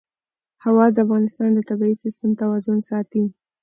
هوا د افغانستان د طبعي سیسټم توازن ساتي.